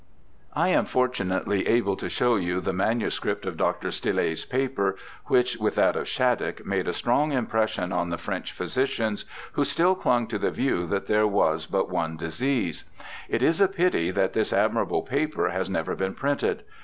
I am fortunately able to show you the manuscript of Dr. Stille's paper, which, with that of Shattuck, made a strong impression on the French physicians, who still clung to the view that there was but one disease. It is a pity that this admirable paper has never been printed.